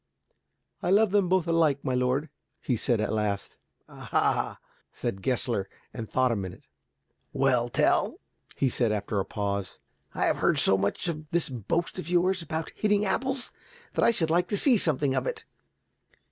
"I love them both alike, my lord," he said at last. "Ah," said Gessler, and thought a minute. "Well, Tell," he said after a pause. "I have heard so much of this boast of yours about hitting apples, that I should like to see something of it.